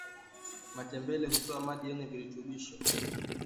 matembele hutoa maji yenye virutubisho